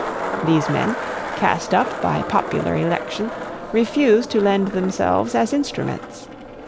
These men, cast up by popular election, refuse to lend themselves as instruments.